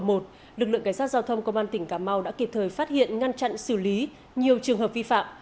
lực lượng cảnh sát giao thông công an tỉnh cà mau đã kịp thời phát hiện ngăn chặn xử lý nhiều trường hợp vi phạm